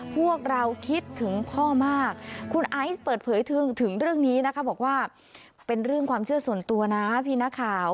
พวกเราคิดถึงพ่อมากคุณไอซ์เปิดเผยถึงเรื่องนี้นะคะบอกว่าเป็นเรื่องความเชื่อส่วนตัวนะพี่นักข่าว